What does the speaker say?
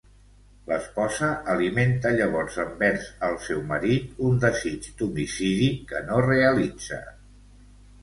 L'esposa alimenta llavors envers el seu marit un desig d'homicidi que no realitza.